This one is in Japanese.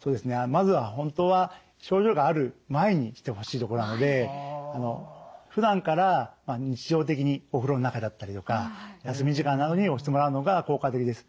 まずは本当は症状がある前にしてほしいところなのでふだんから日常的にお風呂の中だったりとか休み時間などに押してもらうのが効果的です。